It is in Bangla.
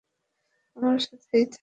আমার সাথেই থাক।